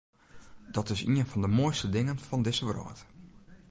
Dat is ien fan de moaiste dingen fan dizze wrâld.